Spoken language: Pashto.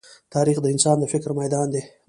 تاریخ د انسان د فکر ميدان دی.